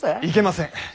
いけません。